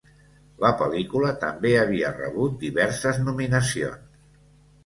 La pel·lícula també havia rebut diverses nominacions.